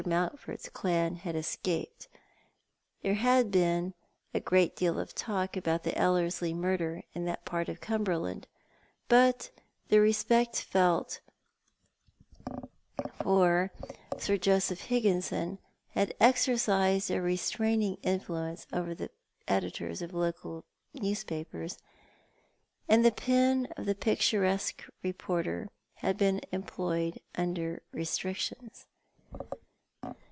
Mountford's clan Iiad escaped. There had been a great deal of talk about the Ellerslie murder in that part of Cumberland; but the respect felt for 1 68 Thoic art the Man. Sir Joseph Higginson had exercised a restraining influence over the editors of local newspapers, and the pen of the picturesque reporter had been employed under restrictions.